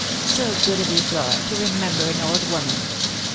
So good of you, Flora, to remember an old woman."